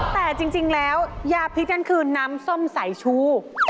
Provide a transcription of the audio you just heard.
แต่จริงแล้วยาพริกนั่นคือน้ำส้มสายชู